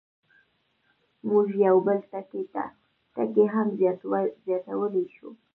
موږ یو بل ټکی هم زیاتولی شو.